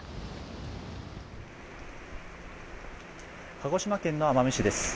鹿児島県の奄美市です。